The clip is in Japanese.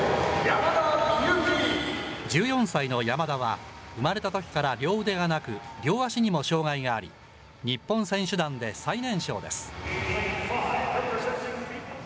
１４歳の山田は、生まれたときから両腕がなく、両足にも障害があり、日本選手団で最年少です。